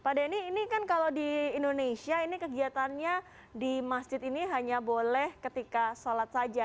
pak denny ini kan kalau di indonesia ini kegiatannya di masjid ini hanya boleh ketika sholat saja